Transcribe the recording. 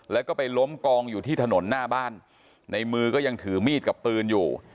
แล้วก็ไปล้มกองอยู่ที่ถนนหน้าบ้านในมือก็ยังถือมีดกับปืนอยู่